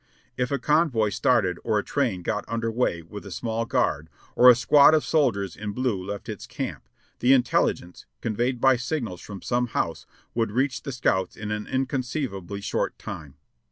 If a convoy started or a train got under way with a small guard, or a squad of soldiers in blue left its camp, the intelligence, con veyed by signals from some house, would reach the scouts in an inconceivably short time.